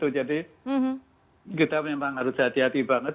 jadi kita memang harus hati hati banget